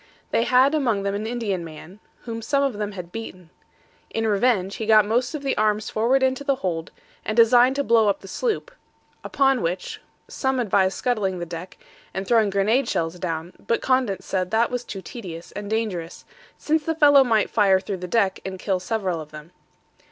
They had among them an Indian man, whom some of them had beaten; in revenge, he got most of the arms forward into the hold, and designed to blow up the sloop; upon which, some advised scuttling the deck, and throwing grenade shells down, but Condent said that was too tedious and dangerous, since the fellow might fire through the deck and kill several of them.